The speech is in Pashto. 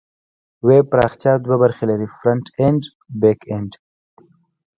ویب پراختیا دوه برخې لري: فرنټ اینډ او بیک اینډ.